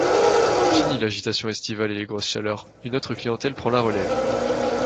Finies l’agitation estivale et les grosses chaleurs, une autre clientèle prend la relève.